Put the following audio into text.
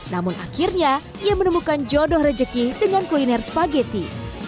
namun akhirnya ia menemukan jodoh rejeki dengan kuliner spageti